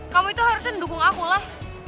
kamu itu harusnya ngedukung akulah